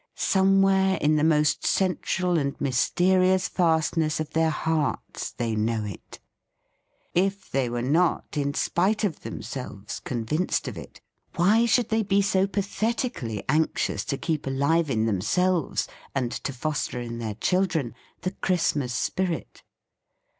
Somewhere, in the most central and mysterious fastness of their hearts, they know it. If they were not, in spite of themselves, convinced of it, why THE FEAST OF ST FRIEND should they be so pathetically anxious to keep alive in themselves, and to foster in their children, the Christmas spirit?